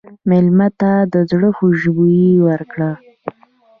مېلمه ته د زړه خوشبويي ورکړه.